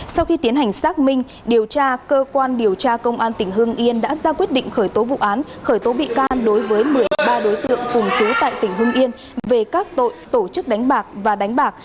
sau khi tiến hành xác minh điều tra cơ quan điều tra công an tỉnh hưng yên đã ra quyết định khởi tố vụ án khởi tố bị can đối với một mươi ba đối tượng cùng chú tại tỉnh hưng yên về các tội tổ chức đánh bạc và đánh bạc